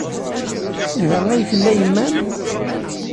Da ay tella yemma-m?